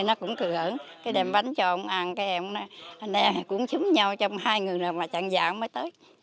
nó cũng cười ẩn cái đem bánh cho ông ăn cái em cũng nói anh em cũng xúm nhau trong hai người là chẳng dạng mới tới